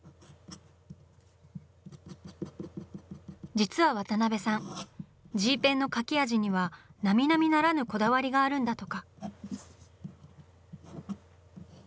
実は渡辺さんＧペンの描き味にはなみなみならぬこだわりがあるんだとか。